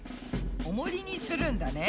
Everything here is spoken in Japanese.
おもりにするんだね。